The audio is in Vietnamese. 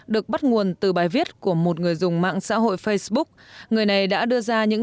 được bắt nguồn từ bài viết của một người dùng mạng xã hội facebook người này đã đưa ra những